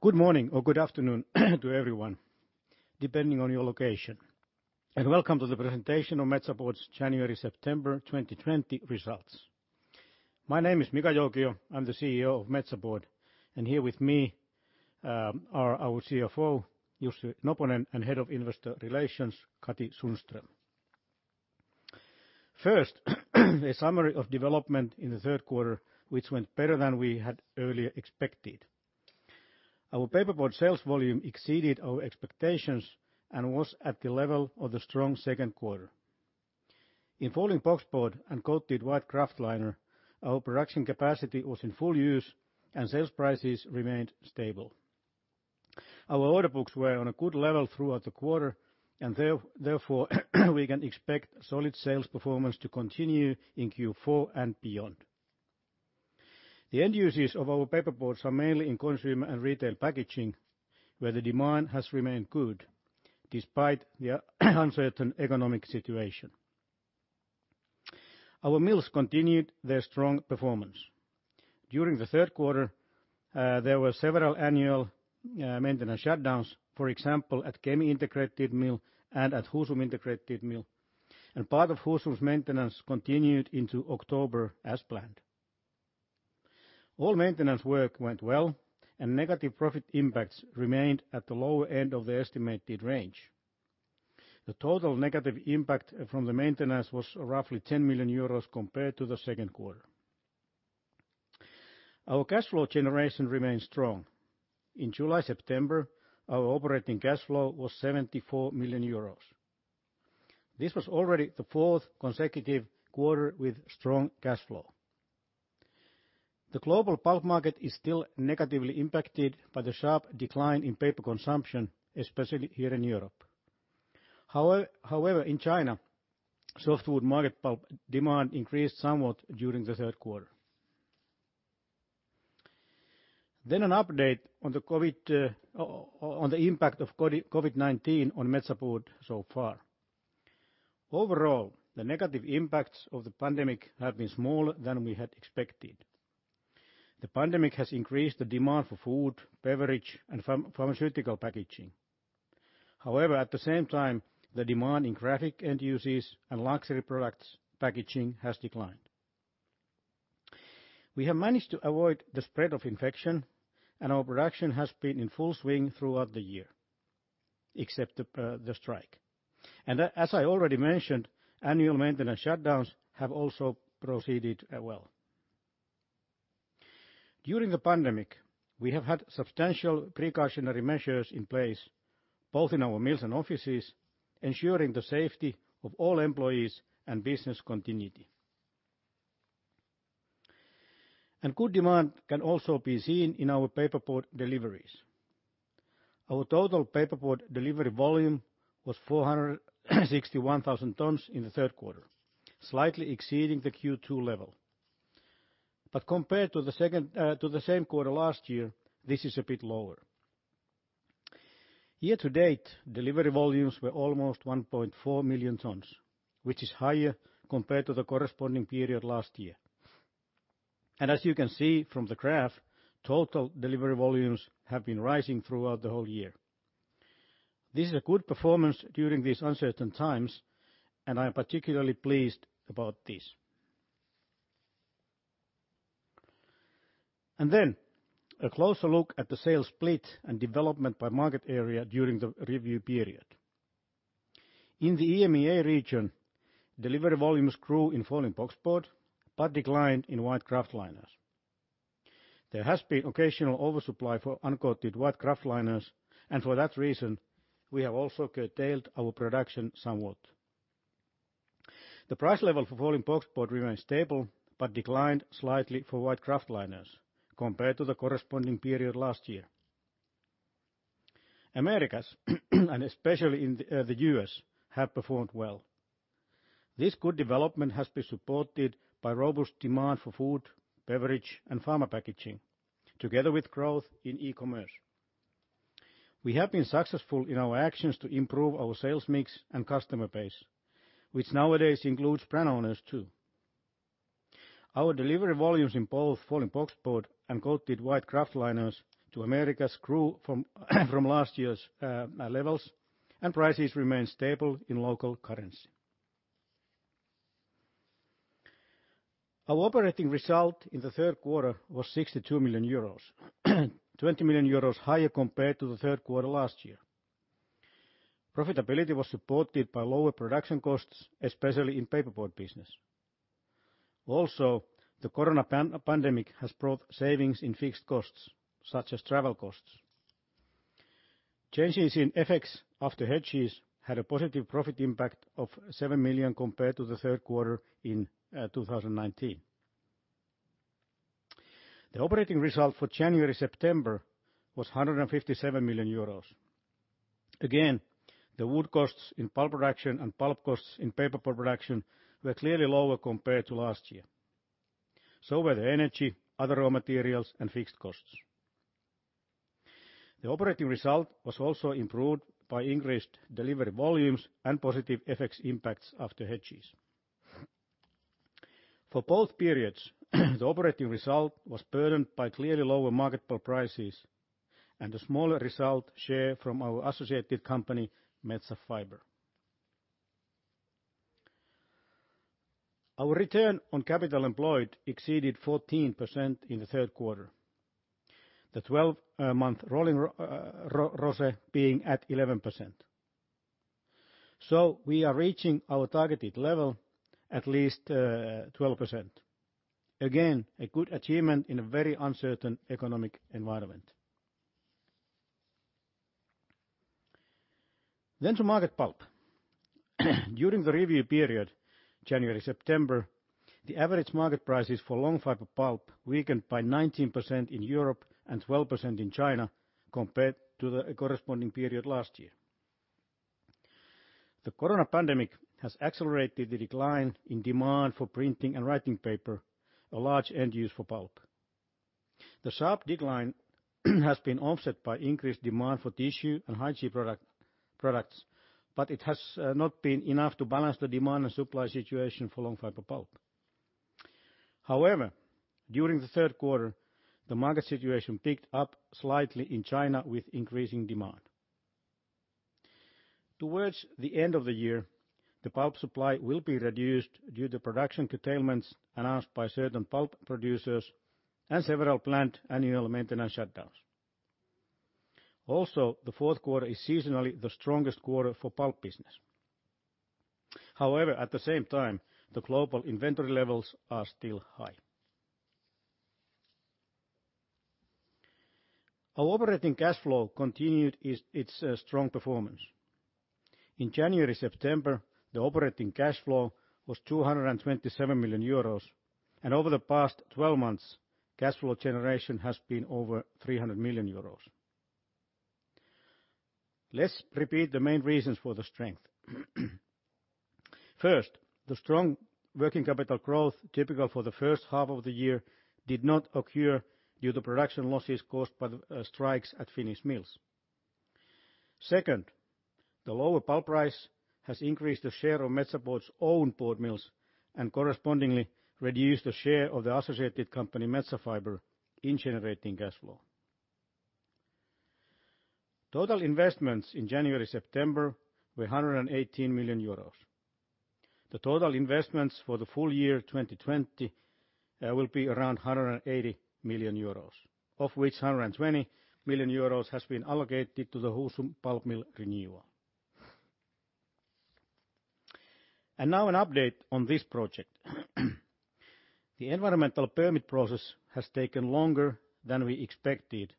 Good morning or good afternoon to everyone, depending on your location, and welcome to the presentation of Metsä Board's January-September 2020 results. My name is Mika Joukio. I'm the CEO of Metsä Board, and here with me are our CFO, Jussi Noponen, and Head of Investor Relations, Katri Sundström. First, a summary of development in the third quarter, which went better than we had earlier expected. Our paperboard sales volume exceeded our expectations and was at the level of the strong second quarter. In folding boxboard and coated white kraftliner, our production capacity was in full use, and sales prices remained stable. Our order books were on a good level throughout the quarter, and therefore we can expect solid sales performance to continue in Q4 and beyond. The end uses of our paperboards are mainly in consumer and retail packaging, where the demand has remained good despite the uncertain economic situation. Our mills continued their strong performance. During the third quarter, there were several annual maintenance shutdowns, for example, at Kemi Integrated Mill and at Husum Integrated Mill, and part of Husum's maintenance continued into October as planned. All maintenance work went well, and negative profit impacts remained at the lower end of the estimated range. The total negative impact from the maintenance was roughly 10 million euros compared to the second quarter. Our cash flow generation remained strong. In July-September, our operating cash flow was 74 million euros. This was already the fourth consecutive quarter with strong cash flow. The global pulp market is still negatively impacted by the sharp decline in paper consumption, especially here in Europe. However, in China, softwood market pulp demand increased somewhat during the third quarter. Then an update on the impact of COVID-19 on Metsä Board so far. Overall, the negative impacts of the pandemic have been smaller than we had expected. The pandemic has increased the demand for food, beverage, and pharmaceutical packaging. However, at the same time, the demand in graphic end uses and luxury products packaging has declined. We have managed to avoid the spread of infection, and our production has been in full swing throughout the year, except the strike. And as I already mentioned, annual maintenance shutdowns have also proceeded well. During the pandemic, we have had substantial precautionary measures in place, both in our mills and offices, ensuring the safety of all employees and business continuity. And good demand can also be seen in our paperboard deliveries. Our total paperboard delivery volume was 461,000 tons in the third quarter, slightly exceeding the Q2 level. But compared to the same quarter last year, this is a bit lower. Year-to-date, delivery volumes were almost 1.4 million tons, which is higher compared to the corresponding period last year. And as you can see from the graph, total delivery volumes have been rising throughout the whole year. This is a good performance during these uncertain times, and I am particularly pleased about this. And then, a closer look at the sales split and development by market area during the review period. In the EMEA region, delivery volumes grew in folding boxboard, but declined in white kraftliners. There has been occasional oversupply for uncoated white kraftliners, and for that reason, we have also curtailed our production somewhat. The price level for folding boxboard remains stable, but declined slightly for white kraftliners compared to the corresponding period last year. Americas, and especially the U.S., have performed well. This good development has been supported by robust demand for food, beverage, and pharma packaging, together with growth in e-commerce. We have been successful in our actions to improve our sales mix and customer base, which nowadays includes brand owners too. Our delivery volumes in both folding boxboard and coated white kraftliner to Americas grew from last year's levels, and prices remained stable in local currency. Our operating result in the third quarter was 62 million euros, 20 million euros higher compared to the third quarter last year. Profitability was supported by lower production costs, especially in paperboard business. Also, the COVID-19 pandemic has brought savings in fixed costs, such as travel costs. Changes in FX after hedges had a positive profit impact of 7 million compared to the third quarter in 2019. The operating result for January-September was 157 million euros. Again, the wood costs in pulp production and pulp costs in paperboard production were clearly lower compared to last year. So were the energy, other raw materials, and fixed costs. The operating result was also improved by increased delivery volumes and positive FX impacts after hedges. For both periods, the operating result was burdened by clearly lower market pulp prices and a smaller result share from our associated company, Metsä Fibre. Our return on capital employed exceeded 14% in the third quarter, the 12-month rolling ROCE being at 11%. So we are reaching our targeted level, at least 12%. Again, a good achievement in a very uncertain economic environment. Then to market pulp. During the review period, January-September, the average market prices for long fiber pulp weakened by 19% in Europe and 12% in China compared to the corresponding period last year. The corona pandemic has accelerated the decline in demand for printing and writing paper, a large end use for pulp. The sharp decline has been offset by increased demand for tissue and hygiene products, but it has not been enough to balance the demand and supply situation for long fiber pulp. However, during the third quarter, the market situation picked up slightly in China with increasing demand. Towards the end of the year, the pulp supply will be reduced due to production curtailments announced by certain pulp producers and several planned annual maintenance shutdowns. Also, the fourth quarter is seasonally the strongest quarter for pulp business. However, at the same time, the global inventory levels are still high. Our operating cash flow continued its strong performance. In January-September, the operating cash flow was 227 million euros, and over the past 12 months, cash flow generation has been over 300 million euros. Let's repeat the main reasons for the strength. First, the strong working capital growth typical for the first half of the year did not occur due to production losses caused by the strikes at Finnish mills. Second, the lower pulp price has increased the share of Metsä Board's own board mills and correspondingly reduced the share of the associated company, Metsä Fibre, in generating cash flow. Total investments in January-September were 118 million euros. The total investments for the full year 2020 will be around 180 million euros, of which 120 million euros has been allocated to the Husum pulp mill renewal, and now an update on this project. The environmental permit process has taken longer than we expected,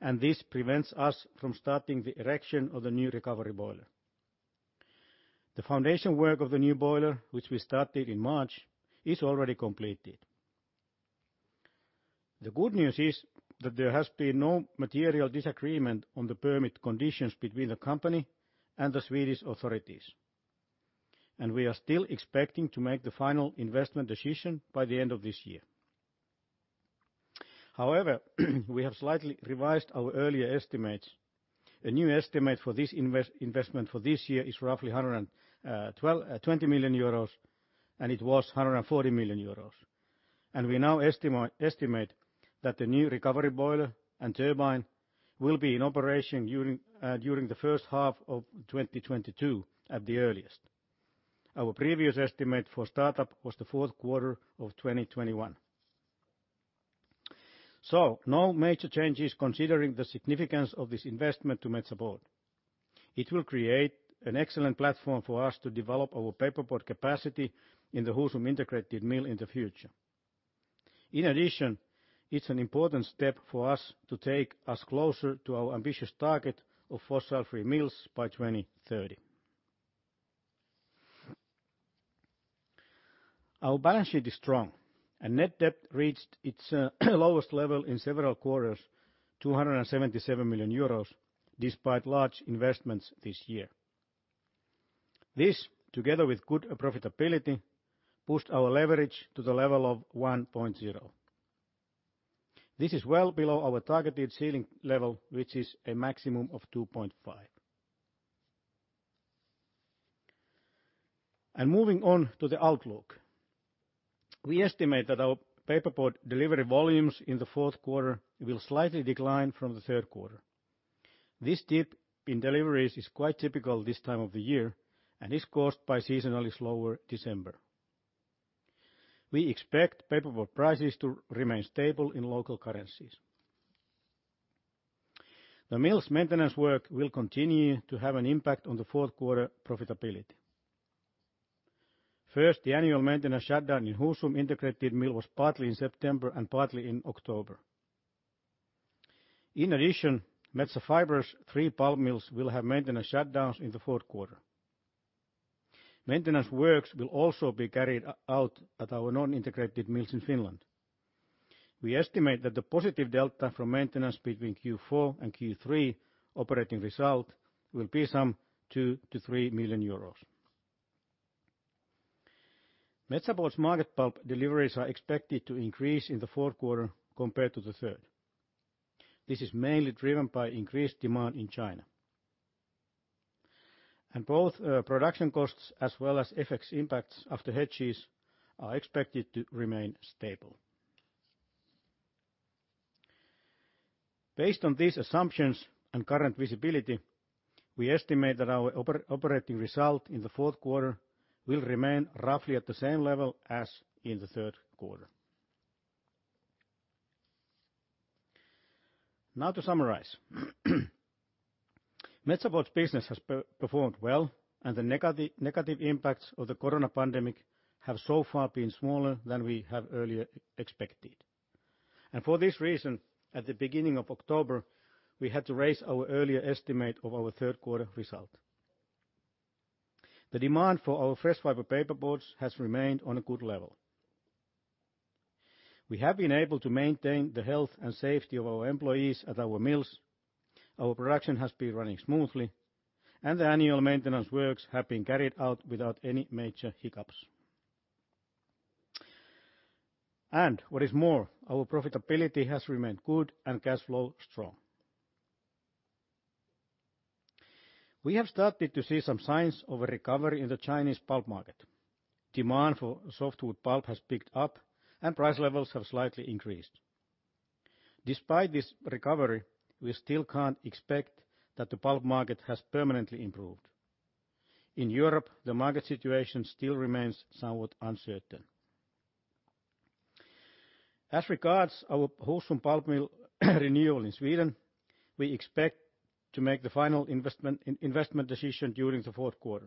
and this prevents us from starting the erection of the new recovery boiler. The foundation work of the new boiler, which we started in March, is already completed. The good news is that there has been no material disagreement on the permit conditions between the company and the Swedish authorities, and we are still expecting to make the final investment decision by the end of this year. However, we have slightly revised our earlier estimates. A new estimate for this investment for this year is roughly 120 million euros, and it was 140 million euros, and we now estimate that the new recovery boiler and turbine will be in operation during the first half of 2022 at the earliest. Our previous estimate for startup was the fourth quarter of 2021. So no major changes considering the significance of this investment to Metsä Board. It will create an excellent platform for us to develop our paperboard capacity in the Husum Integrated Mill in the future. In addition, it's an important step for us to take us closer to our ambitious target of fossil-free mills by 2030. Our balance sheet is strong, and net debt reached its lowest level in several quarters, 277 million euros, despite large investments this year. This, together with good profitability, pushed our leverage to the level of 1.0. This is well below our targeted ceiling level, which is a maximum of 2.5. And moving on to the outlook. We estimate that our paperboard delivery volumes in the fourth quarter will slightly decline from the third quarter. This dip in deliveries is quite typical this time of the year and is caused by seasonally slower December. We expect paperboard prices to remain stable in local currencies. The mill's maintenance work will continue to have an impact on the fourth quarter profitability. First, the annual maintenance shutdown in Husum Integrated Mill was partly in September and partly in October. In addition, Metsä Fibre's three pulp mills will have maintenance shutdowns in the fourth quarter. Maintenance works will also be carried out at our non-integrated mills in Finland. We estimate that the positive delta from maintenance between Q4 and Q3 operating result will be some 2 million-3 million euros. Metsä Board's market pulp deliveries are expected to increase in the fourth quarter compared to the third. This is mainly driven by increased demand in China. Both production costs as well as FX impacts after hedges are expected to remain stable. Based on these assumptions and current visibility, we estimate that our operating result in the fourth quarter will remain roughly at the same level as in the third quarter. Now to summarize. Metsä Board's business has performed well, and the negative impacts of the corona pandemic have so far been smaller than we have earlier expected. And for this reason, at the beginning of October, we had to raise our earlier estimate of our third quarter result. The demand for our fresh fiber paperboards has remained on a good level. We have been able to maintain the health and safety of our employees at our mills. Our production has been running smoothly, and the annual maintenance works have been carried out without any major hiccups. And what is more, our profitability has remained good and cash flow strong. We have started to see some signs of a recovery in the Chinese pulp market. Demand for softwood pulp has picked up, and price levels have slightly increased. Despite this recovery, we still can't expect that the pulp market has permanently improved. In Europe, the market situation still remains somewhat uncertain. As regards our Husum pulp mill renewal in Sweden, we expect to make the final investment decision during the fourth quarter.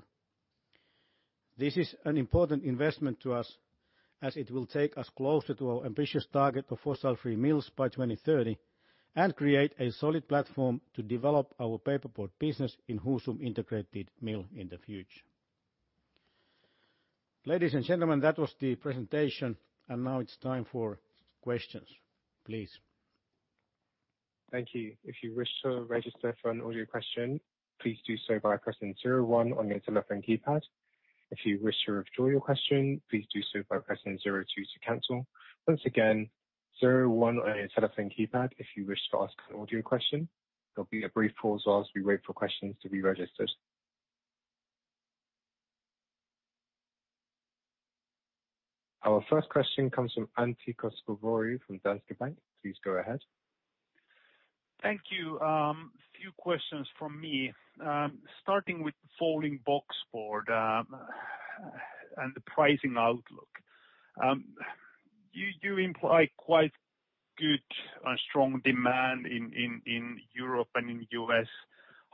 This is an important investment to us, as it will take us closer to our ambitious target of fossil-free mills by 2030 and create a solid platform to develop our paperboard business in Husum Integrated Mill in the future. Ladies and gentlemen, that was the presentation, and now it's time for questions. Please. Thank you. If you wish to register for an audio question, please do so by pressing zero one on your telephone keypad. If you wish to withdraw your question, please do so by pressing zero two to cancel. Once again, zero one on your telephone keypad if you wish to ask an audio question. There'll be a brief pause while we wait for questions to be registered. Our first question comes from Antti Koskivuori from Danske Bank. Please go ahead. Thank you. A few questions from me. Starting with folding boxboard and the pricing outlook. You imply quite good and strong demand in Europe and in the U.S..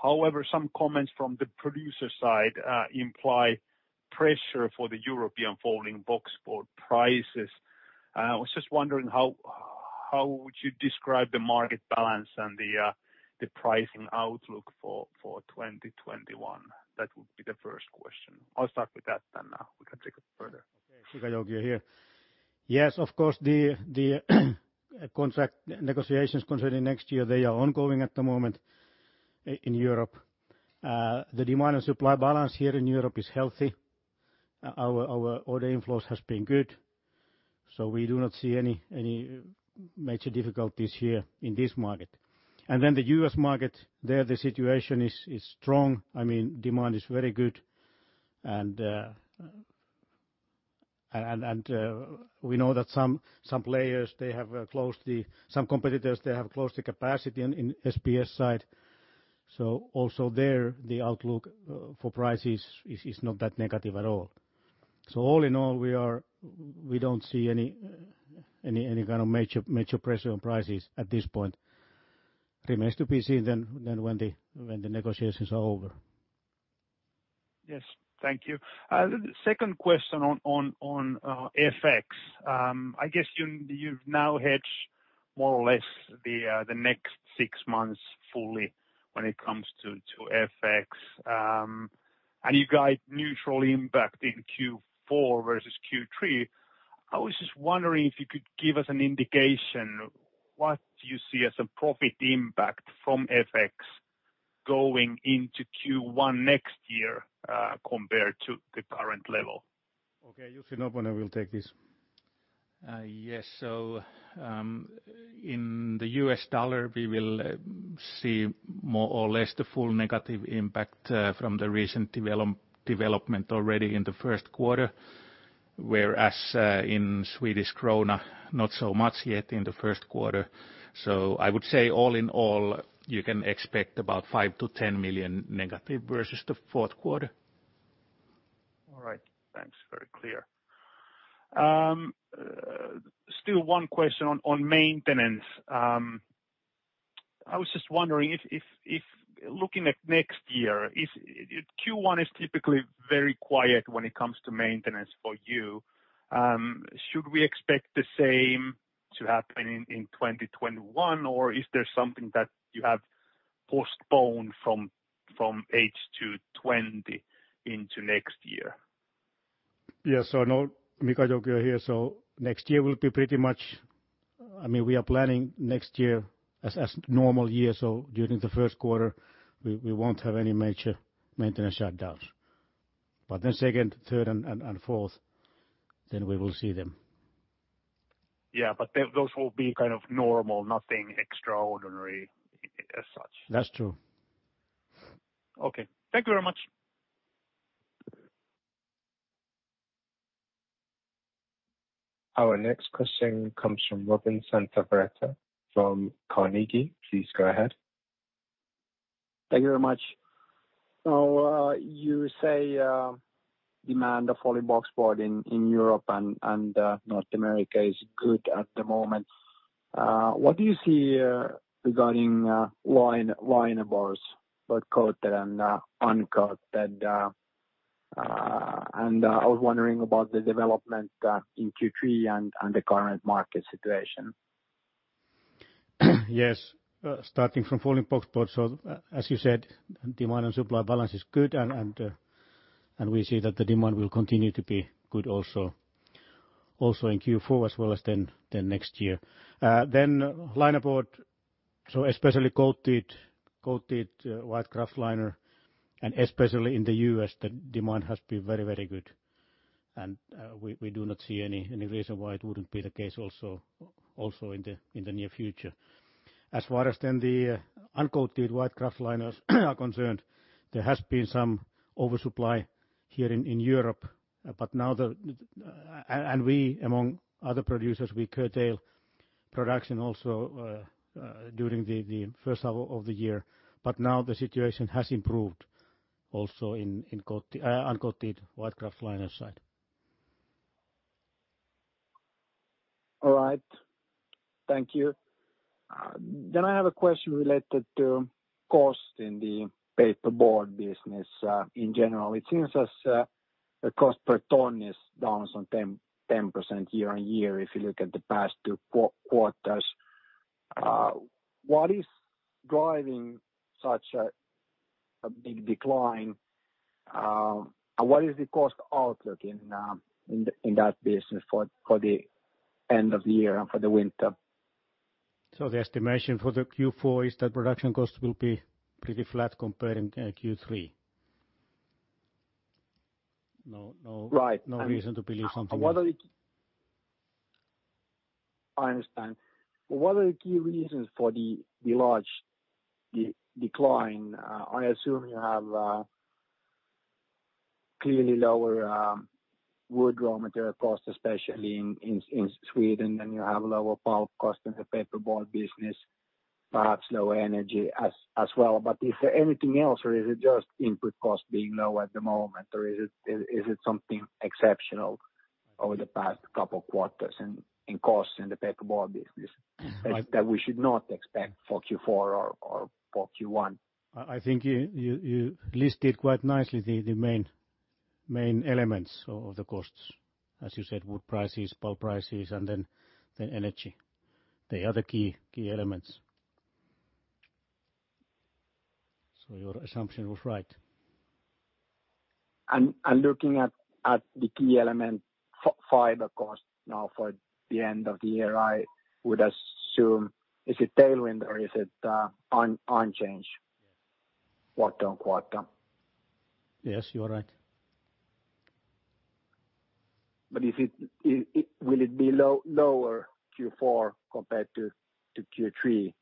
However, some comments from the producer side imply pressure for the European folding boxboard prices. I was just wondering how would you describe the market balance and the pricing outlook for 2021? That would be the first question. I'll start with that then now. We can take it further. Mika Joukio here. Yes, of course, the contract negotiations concerning next year, they are ongoing at the moment in Europe. The demand and supply balance here in Europe is healthy. Our order inflows have been good, so we do not see any major difficulties here in this market. And then the U.S. market, there the situation is strong. I mean, demand is very good, and we know that some players, they have closed the, some competitors, they have closed the capacity on the SBS side. So also there, the outlook for prices is not that negative at all. So all in all, we don't see any kind of major pressure on prices at this point. Remains to be seen then when the negotiations are over. Yes, thank you. Second question on FX. I guess you've now hedged more or less the next six months fully when it comes to FX, and you got neutral impact in Q4 versus Q3. I was just wondering if you could give us an indication what you see as a profit impact from FX going into Q1 next year compared to the current level. Okay, Jussi Noponen, you'll take this. Yes, so in the U.S. dollar, we will see more or less the full negative impact from the recent development already in the first quarter, whereas in Swedish krona, not so much yet in the first quarter. So I would say all in all, you can expect about 5 million-10 million negative versus the fourth quarter. All right, thanks. Very clear. Still one question on maintenance. I was just wondering, looking at next year, Q1 is typically very quiet when it comes to maintenance for you. Should we expect the same to happen in 2021, or is there something that you have postponed from H2 2020 into next year? Yes, so I know, Mika Joukio here, so next year will be pretty much, I mean, we are planning next year as normal year, so during the first quarter, we won't have any major maintenance shutdowns. But then second, third, and fourth, then we will see them. Yeah, but those will be kind of normal, nothing extraordinary as such. That's true. Okay, thank you very much. Our next question comes from Robin Santavirta from Carnegie. Please go ahead. Thank you very much. Now, you say demand for folding boxboard in Europe and North America is good at the moment. What do you see regarding liner boards, both coated and uncoated? And I was wondering about the development in Q3 and the current market situation. Yes, starting from folding boxboard, so as you said, demand and supply balance is good, and we see that the demand will continue to be good also in Q4 as well as then next year. Then linerboard, so especially coated, coated white kraft liner, and especially in the U.S., the demand has been very, very good. And we do not see any reason why it wouldn't be the case also in the near future. As far as then the uncoated white kraftliners are concerned, there has been some oversupply here in Europe, but now, and we, among other producers, we curtail production also during the first half of the year. But now the situation has improved also in uncoated white kraft liner side. All right, thank you. Then I have a question related to cost in the paperboard business in general. It seems as a cost per ton is down some 10% year-on-year if you look at the past two quarters. What is driving such a big decline? What is the cost outlook in that business for the end of the year and for the winter? So the estimation for the Q4 is that production cost will be pretty flat comparing Q3. No reason to believe something else. I understand. What are the key reasons for the large decline? I assume you have clearly lower wood raw material cost, especially in Sweden, and you have lower pulp cost in the paperboard business, perhaps lower energy as well. But is there anything else, or is it just input cost being low at the moment, or is it something exceptional over the past couple of quarters in cost in the paperboard business that we should not expect for Q4 or for Q1? I think you listed quite nicely the main elements of the costs, as you said, wood prices, pulp prices, and then energy. They are the key elements. So your assumption was right. And looking at the key element, fiber cost now for the end of the year, I would assume, is it tailoring or is it unchanged quarter on quarter? Yes, you're right. But will it be lower Q4 compared to Q3,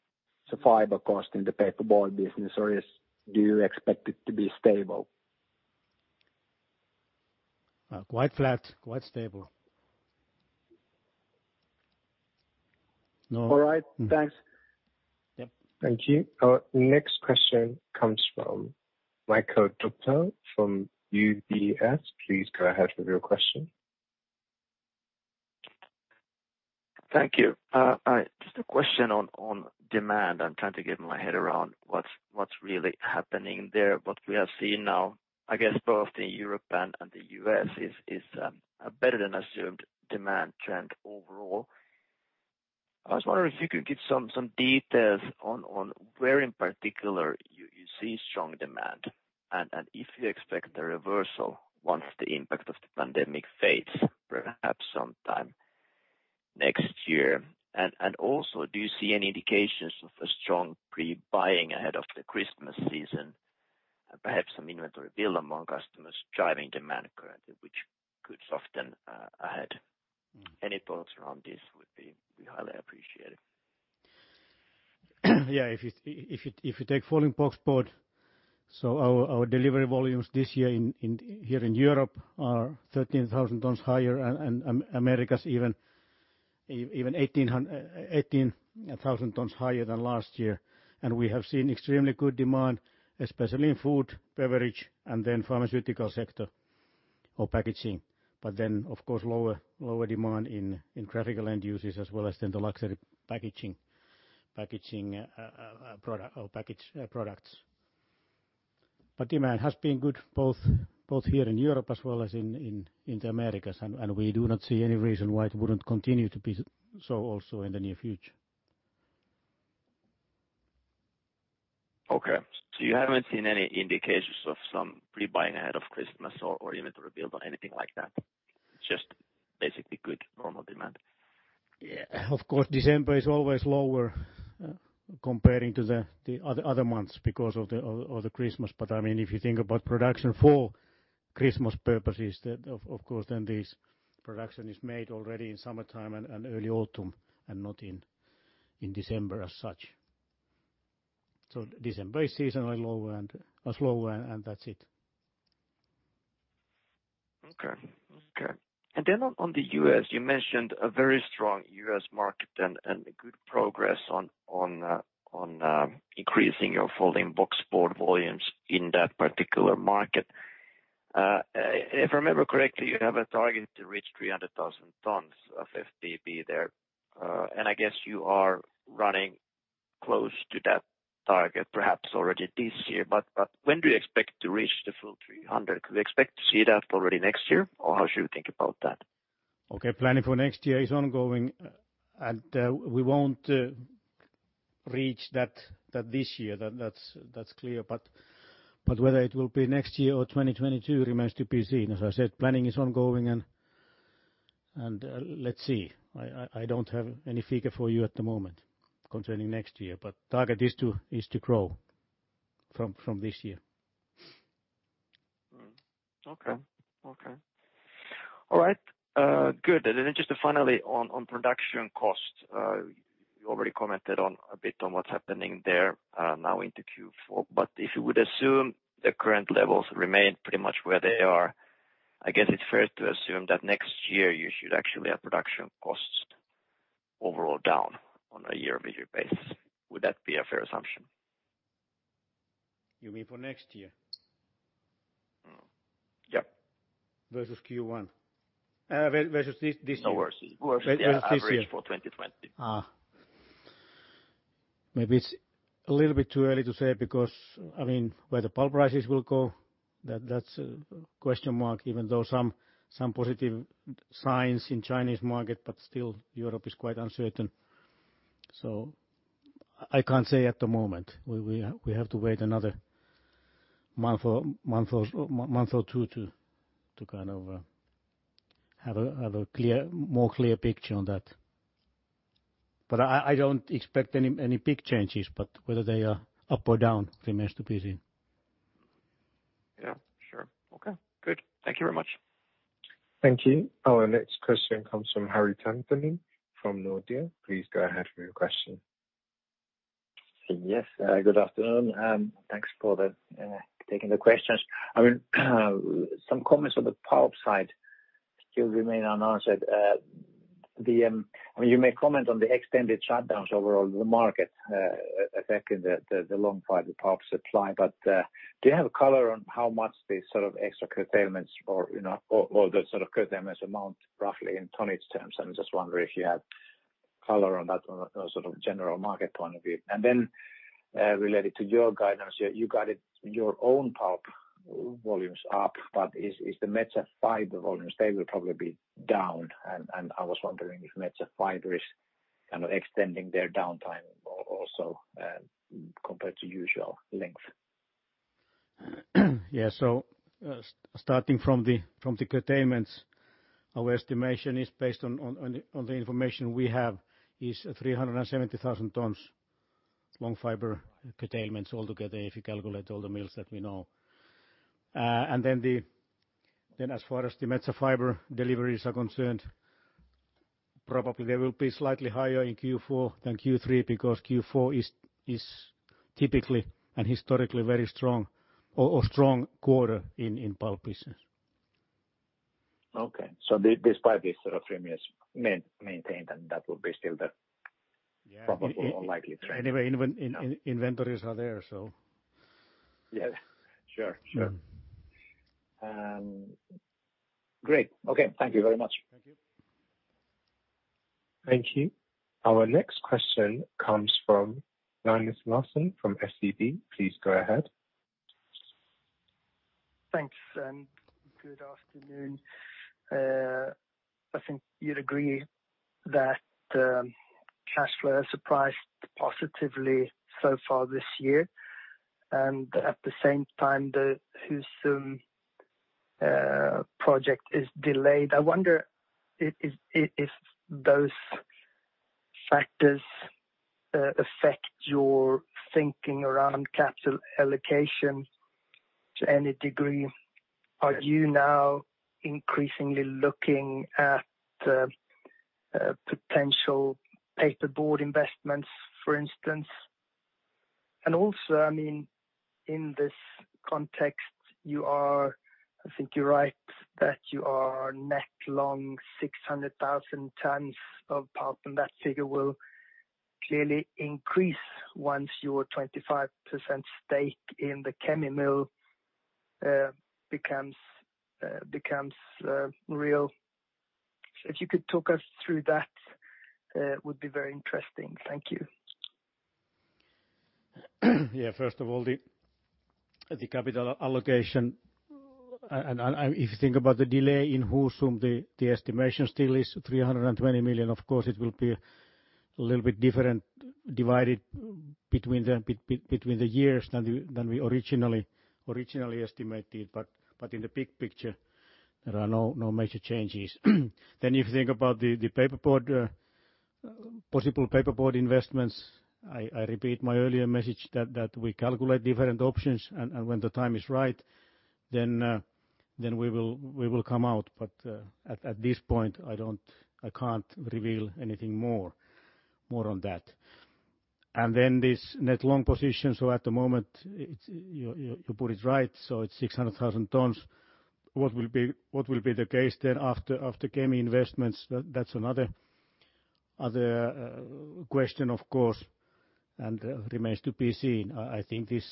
the fiber cost in the paperboard business, or do you expect it to be stable? Quite flat, quite stable. All right, thanks. Thank you. Our next question comes from Mikael Doepel from UBS. Please go ahead with your question. Thank you. Just a question on demand. I'm trying to get my head around what's really happening there. What we have seen now, I guess both in Europe and the U.S., is a better than assumed demand trend overall. I was wondering if you could give some details on where in particular you see strong demand and if you expect a reversal once the impact of the pandemic fades, perhaps sometime next year. And also, do you see any indications of a strong pre-buying ahead of the Christmas season and perhaps some inventory build-up among customers driving demand currently, which could soften ahead? Any thoughts around this would be highly appreciated. Yeah, if you take folding boxboard, so our delivery volumes this year here in Europe are 13,000 tons higher, and the Americas even 18,000 tons higher than last year. We have seen extremely good demand, especially in food, beverage, and then pharmaceutical sector or packaging, but then, of course, lower demand in graphic end uses as well as then the luxury packaging products, but demand has been good both here in Europe as well as in the Americas, and we do not see any reason why it wouldn't continue to be so also in the near future. Okay, so you haven't seen any indications of some pre-buying ahead of Christmas or inventory build-up, anything like that? Just basically good normal demand. Yeah, of course, December is always lower comparing to the other months because of the Christmas, but I mean, if you think about production for Christmas purposes, of course, then this production is made already in summertime and early autumn and not in December as such, so December is seasonally lower and slower, and that's it. Okay, okay. And then on the U.S., you mentioned a very strong U.S. market and good progress on increasing your folding boxboard volumes in that particular market. If I remember correctly, you have a target to reach 300,000 tons of FBB there. And I guess you are running close to that target, perhaps already this year. But when do you expect to reach the full 300? Do you expect to see that already next year, or how should we think about that? Okay, planning for next year is ongoing, and we won't reach that this year. That's clear. But whether it will be next year or 2022 remains to be seen. As I said, planning is ongoing, and let's see. I don't have any figure for you at the moment concerning next year, but the target is to grow from this year. Okay, okay. All right, good. And then just finally on production cost, you already commented a bit on what's happening there now into Q4. But if you would assume the current levels remain pretty much where they are, I guess it's fair to assume that next year you should actually have production costs overall down on a year-over-year basis. Would that be a fair assumption? You mean for next year? Yeah. Versus Q1? Versus this year? No worries. Versus this year. Average for 2020. Maybe it's a little bit too early to say because, I mean, where the pulp prices will go, that's a question mark, even though some positive signs in the Chinese market, but still Europe is quite uncertain. So I can't say at the moment. We have to wait another month or two to kind of have a more clear picture on that. But I don't expect any big changes, but whether they are up or down remains to be seen. Yeah, sure. Okay, good. Thank you very much. Thank you. Our next question comes from Harri Taittonen from Nordea. Please go ahead with your question. Yes, good afternoon. Thanks for taking the questions. I mean, some comments on the pulp side still remain unanswered. I mean, you may comment on the extended shutdowns overall in the market affecting the long fiber pulp supply, but do you have a color on how much the sort of extra curtailments or the sort of curtailments amount roughly in tonnage terms? I'm just wondering if you have color on that sort of general market point of view. And then related to your guidance, you guided your own pulp volumes up, but is the Metsä Fibre volumes, they will probably be down? And I was wondering if Metsä Fibre is kind of extending their downtime also compared to usual length. Yeah, so starting from the curtailments, our estimation is based on the information we have is 370,000 tons long fiber curtailments altogether if you calculate all the mills that we know. And then as far as the Metsä Fibre deliveries are concerned, probably they will be slightly higher in Q4 than Q3 because Q4 is typically and historically very strong or strong quarter in pulp business. Okay, so this five years sort of remains maintained, and that will be still the probably more likely trend. Anyway, inventories are there, so. Yeah, sure, sure. Great. Okay, thank you very much. Thank you. Thank you. Our next question comes from Linus Larsson from SEB. Please go ahead. Thanks, and good afternoon. I think you'd agree that cash flow has surprised positively so far this year. And at the same time, the Husum project is delayed. I wonder if those factors affect your thinking around capital allocation to any degree. Are you now increasingly looking at potential paperboard investments, for instance? And also, I mean, in this context, you are, I think you're right that you are net long 600,000 tons of pulp, and that figure will clearly increase once your 25% stake in the Kemi Mill becomes real. If you could talk us through that, it would be very interesting. Thank you. Yeah, first of all, the capital allocation, and if you think about the delay in Husum, the estimation still is 320 million. Of course, it will be a little bit different divided between the years than we originally estimated. But in the big picture, there are no major changes. If you think about the possible paperboard investments, I repeat my earlier message that we calculate different options, and when the time is right, then we will come out. But at this point, I can't reveal anything more on that. And then this net long position, so at the moment, you put it right, so it's 600,000 tons. What will be the case then after Kemi investments? That's another question, of course, and remains to be seen. I think this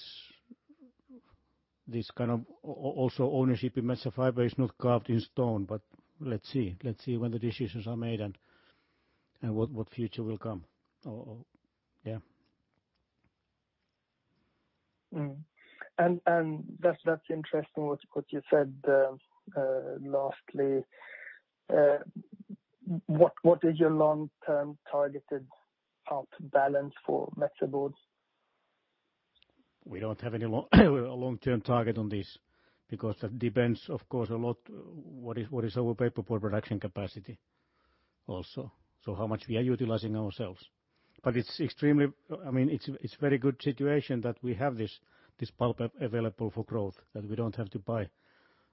kind of also ownership in Metsä Fibre is not carved in stone, but let's see when the decisions are made and what future will come. Yeah. And that's interesting what you said lastly. What is your long-term targeted pulp balance for Metsä Board? We don't have any long-term target on this because that depends, of course, a lot on what is our paperboard production capacity also, so how much we are utilizing ourselves. But it's extremely, I mean, it's a very good situation that we have this pulp available for growth, that we don't have to buy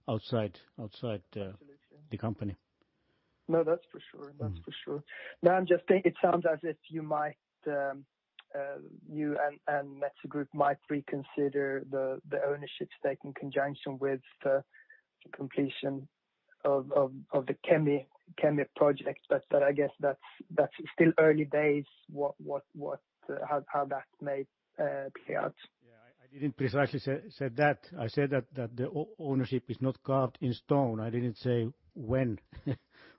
outside the company. No, that's for sure. That's for sure. Now, I'm just thinking it sounds as if you and Metsä Group might reconsider the ownership stake in conjunction with the completion of the Kemi project. But I guess that's still early days, how that may play out. Yeah, I didn't precisely say that. I said that the ownership is not carved in stone. I didn't say when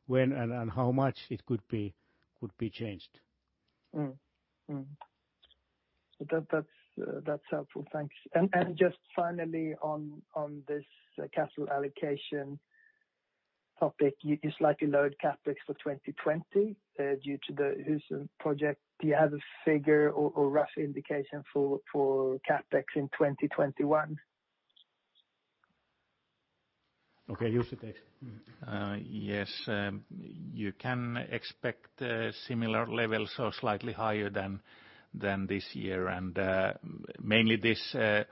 and how much it could be changed. That's helpful. Thanks. And just finally, on this capital allocation topic, you slightly lowered CapEx for 2020 due to the Husum project. Do you have a figure or rough indication for CapEx in 2021? Okay, Husum. Yes, you can expect similar levels or slightly higher than this year. And mainly this CapEx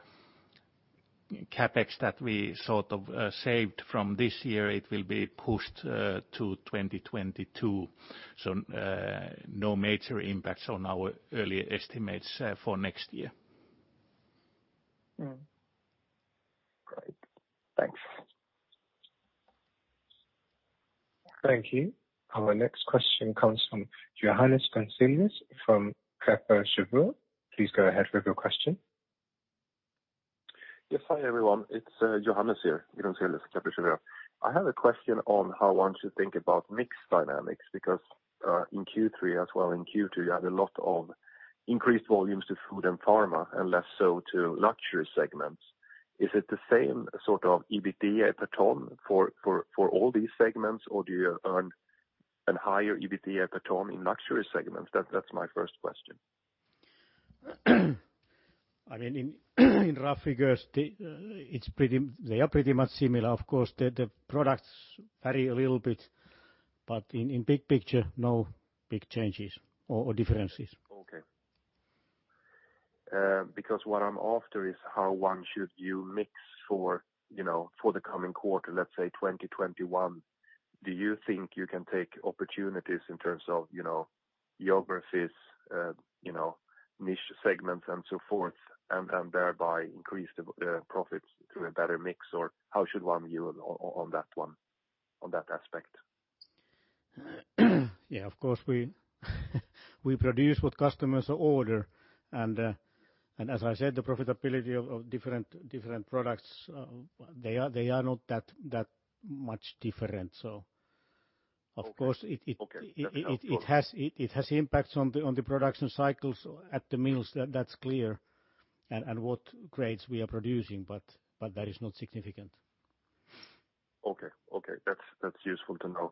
that we sort of saved from this year, it will be pushed to 2022. So no major impacts on our earlier estimates for next year. Great. Thanks. Thank you. Our next question comes from Johannes Grunselius from Kepler Cheuvreux. Please go ahead with your question. Yes, hi everyone. It's Johannes here from Kepler Cheuvreux. I have a question on how one should think about mixed dynamics because in Q3 as well, in Q2, you had a lot of increased volumes to food and pharma and less so to luxury segments. Is it the same sort of EBITDA per ton for all these segments, or do you earn a higher EBITDA per ton in luxury segments? That's my first question. I mean, in rough figures, they are pretty much similar. Of course, the products vary a little bit, but in big picture, no big changes or differences. Okay. Because what I'm after is how one should view mix for the coming quarter, let's say 2021. Do you think you can take opportunities in terms of geographies, niche segments, and so forth, and thereby increase the profits through a better mix, or how should one view on that aspect? Yeah, of course, we produce what customers order. And as I said, the profitability of different products, they are not that much different. So of course, it has impacts on the production cycles at the mills. That's clear. And what grades we are producing, but that is not significant. Okay, okay. That's useful to know.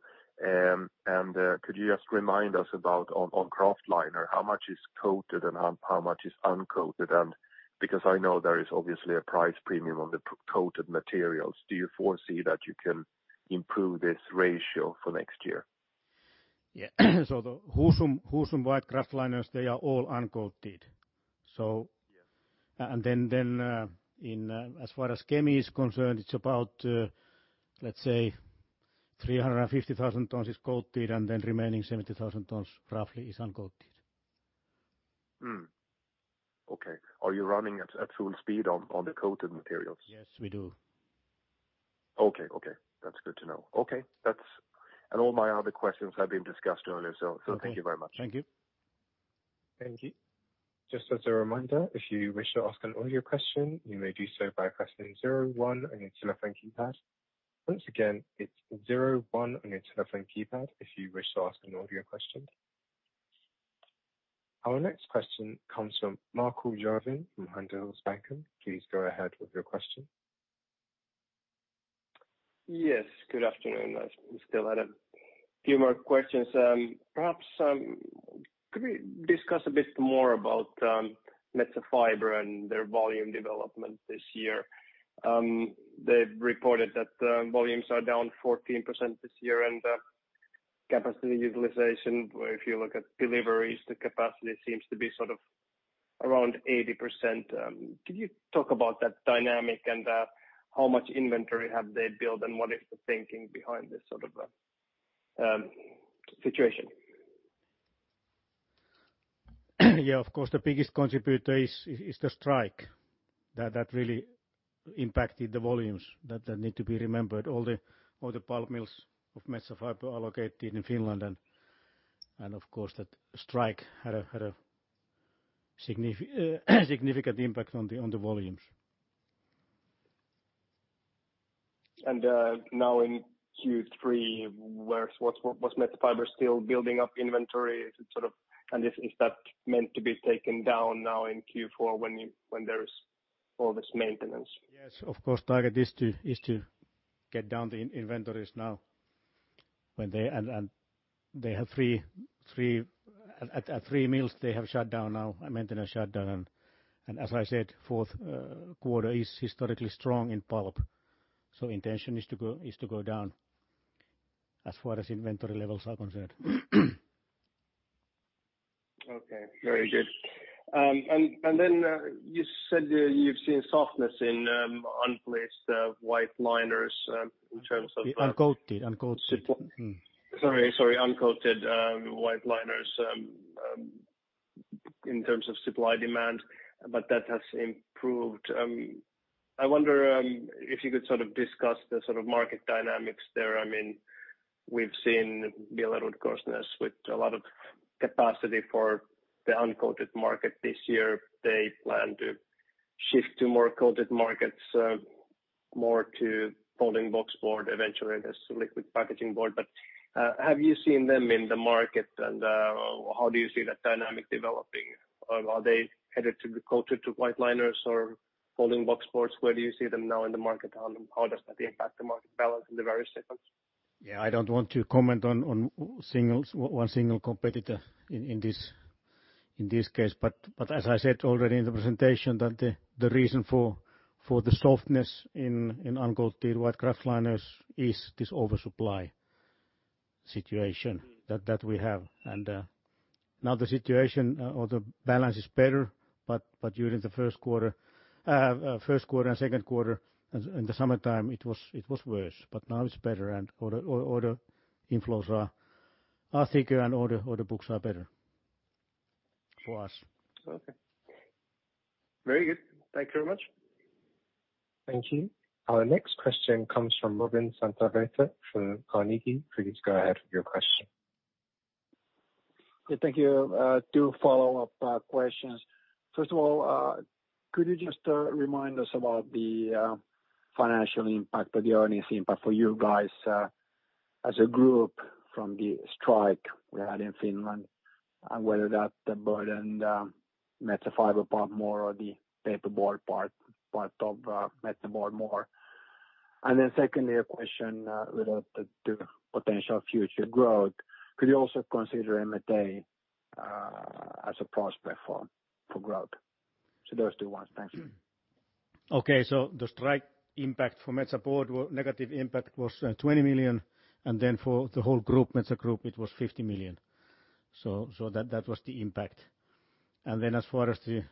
And could you just remind us about on kraft liner, how much is coated and how much is uncoated? And because I know there is obviously a price premium on the coated materials, do you foresee that you can improve this ratio for next year? Yeah. So the Husum white kraftliners, they are all uncoated. And then as far as Kemi is concerned, it's about, let's say, 350,000 tons is coated, and then remaining 70,000 tons roughly is uncoated. Okay. Are you running at full speed on the coated materials? Yes, we do. Okay, okay. That's good to know. Okay. And all my other questions have been discussed earlier, so thank you very much. Thank you. Thank you. Just as a reminder, if you wish to ask an audio question, you may do so by pressing zero one on your telephone keypad. Once again, it's zero one on your telephone keypad if you wish to ask an audio question. Our next question comes from Markku Järvinen from Handelsbanken. Please go ahead with your question. Yes, good afternoon. I still had a few more questions. Perhaps could we discuss a bit more about Metsä Fibre and their volume development this year? They've reported that volumes are down 14% this year, and capacity utilization, if you look at deliveries, the capacity seems to be sort of around 80%. Could you talk about that dynamic and how much inventory have they built, and what is the thinking behind this sort of situation? Yeah, of course, the biggest contributor is the strike that really impacted the volumes. That need to be remembered. All the pulp mills of Metsä Fibre are located in Finland, and of course, that strike had a significant impact on the volumes. Now in Q3, was Metsä Fibre still building up inventory? And is that meant to be taken down now in Q4 when there is all this maintenance? Yes, of course. The target is to get down the inventories now. And at three mills, they have shut down now, maintenance shutdown. And as I said, fourth quarter is historically strong in pulp. So intention is to go down as far as inventory levels are concerned. Okay, very good. And then you said you've seen softness in uncoated white kraftliners in terms of. Uncoated, uncoated. Sorry, uncoated white kraftliners in terms of supply demand, but that has improved. I wonder if you could sort of discuss the sort of market dynamics there. I mean, we've seen BillerudKorsnäs with a lot of capacity for the uncoated market this year. They plan to shift to more coated markets, more to folding boxboard eventually, this liquid packaging board. But have you seen them in the market, and how do you see that dynamic developing? Are they headed to the coated white kraftliners or folding boxboards? Where do you see them now in the market, and how does that impact the market balance in the various segments? Yeah, I don't want to comment on one single competitor in this case. But as I said already in the presentation, the reason for the softness in uncoated white kraftliners is this oversupply situation that we have. And now the situation or the balance is better, but during the first quarter and second quarter, in the summertime, it was worse. But now it's better, and order inflows are thicker, and order books are better for us. Okay. Very good. Thank you very much. Thank you. Our next question comes from Robin Santavirta from Carnegie. Please go ahead with your question. Yeah, thank you. Two follow-up questions. First of all, could you just remind us about the financial impact, the earnings impact for you guys as a group from the strike we had in Finland, and whether that burdened Metsä Fibre part more or the paperboard part of Metsä Board more? And then secondly, a question related to potential future growth. Could you also consider M&A as a prospect for growth? So those two ones. Thanks. Okay, so the strike impact for Metsä Board, negative impact was 20 million, and then for the whole group, Metsä Group, it was 50 million. So that was the impact. And then as far as the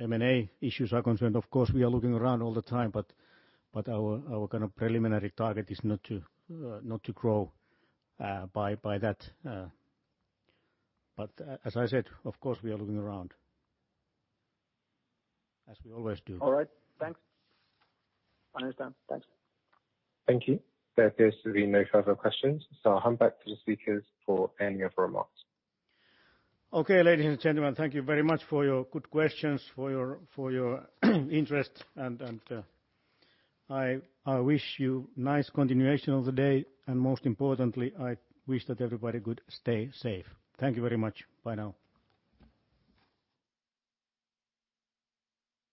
M&A issues are concerned, of course, we are looking around all the time, but our kind of preliminary target is not to grow by that. But as I said, of course, we are looking around, as we always do. All right. Thanks. I understand. Thanks. Thank you. There appears to be no further questions. So I'll hand back to the speakers for any of the remarks. Okay, ladies and gentlemen, thank you very much for your good questions, for your interest. And I wish you nice continuation of the day. And most importantly, I wish that everybody could stay safe. Thank you very much. Bye now.